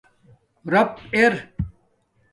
راپ ار